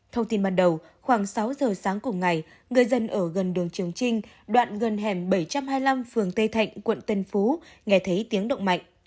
thông tin ban đầu khoảng sáu giờ sáng cùng ngày người dân ở gần đường trường trinh đoạn gần hẻm bảy trăm hai mươi năm phường tây thạnh quận tân phú nghe thấy tiếng động mạnh